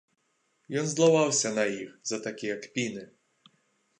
Ён злаваўся на іх за такія кпіны.